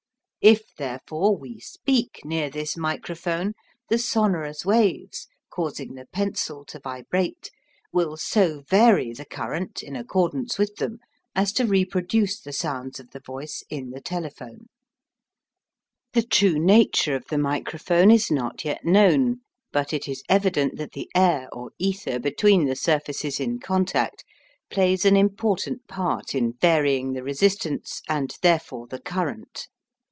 If, therefore, we speak near this microphone, the sonorous waves, causing the pencil to vibrate, will so vary the current in accordance with them as to reproduce the sounds of the voice in the telephone. The true nature of the microphone is not yet known, but it is evident that the air or ether between the surfaces in contact plays an important part in varying the resistance, and, therefore, the current.